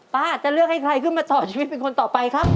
จะเลือกให้ใครขึ้นมาต่อชีวิตเป็นคนต่อไปครับ